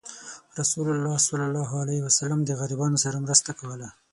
رسول الله صلى الله عليه وسلم د غریبانو سره مرسته کوله.